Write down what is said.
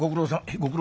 「ご苦労」。